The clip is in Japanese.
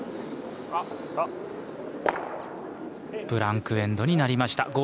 ブランク・エンドになりました。